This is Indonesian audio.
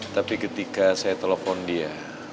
tapi ketika saya telepon dia